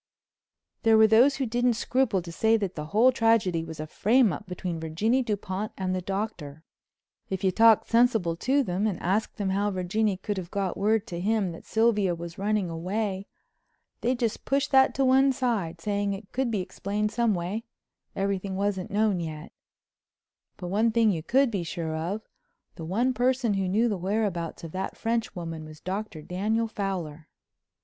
There were those who didn't scruple to say that the whole tragedy was a frame up between Virginie Dupont and the Doctor. If you talked sensible to them and asked them how Virginie could have got word to him that Sylvia was running away, they'd just push that to one side, saying it could be explained some way, everything wasn't known yet—but one thing you could be sure of—the one person who knew the whereabouts of that French woman was Dr. Daniel Fowler.